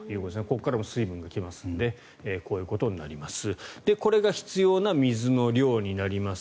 ここからも水分が来ますのでこういうことになります。